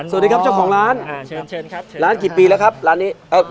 สวัสดีครับเจ้าของร้านอ่าเชิญเชิญครับเชิญร้านกี่ปีแล้วครับร้านนี้เอ่อ